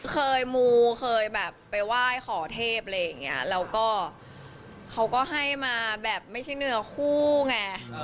เคยมูเคยแบบไปไหว้ขอเทพอะไรอย่างเงี้ยแล้วก็เขาก็ให้มาแบบไม่ใช่เนื้อคู่ไง